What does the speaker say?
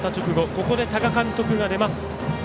ここで、多賀監督が出ます。